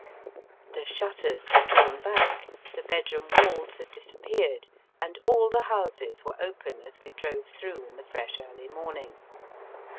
The shutters were drawn back, the bed room walls had disappeared, and all the houses were open as we drove through in the fresh early morning.